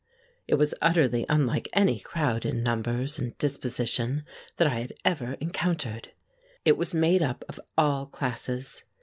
It was utterly unlike any crowd in numbers and disposition that I had ever encountered. It was made up of all classes.